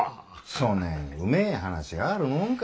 そねんうめえ話があるもんか。